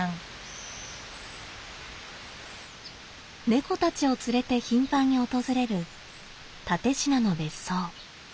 猫たちを連れて頻繁に訪れる蓼科の別荘。